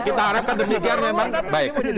kita harapkan demikian memang